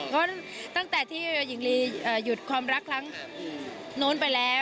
เพราะตั้งแต่ที่หญิงลีหยุดความรักครั้งนู้นไปแล้ว